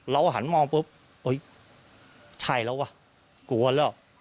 หันมองปุ๊บใช่แล้วว่ะกลัวแล้ว